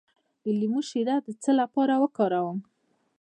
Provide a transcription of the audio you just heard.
د لیمو شیره د څه لپاره وکاروم؟